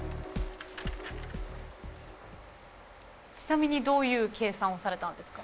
ちなみにどういう計算をされたんですか？